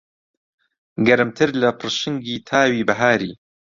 گەرمتر لە پڕشنگی تاوی بەهاری